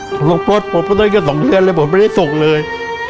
ผมต้องเกี่ยวสองเลือดเลยผมไม่ได้ส่งเลย